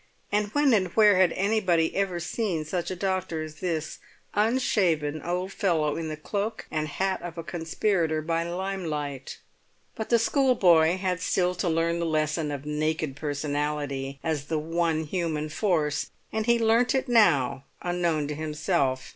And when and where had anybody ever seen such a doctor as this unshaven old fellow in the cloak and hat of a conspirator by limelight? But the schoolboy had still to learn the lesson of naked personality as the one human force; and he learnt it now unknown to himself.